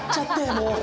もう。